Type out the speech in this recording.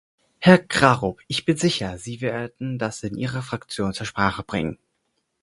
Herr Krarup, ich bin sicher, Sie werden das in Ihrer Fraktion zur Sprache bringen.